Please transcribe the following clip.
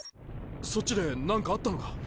そっちで何かあったのか？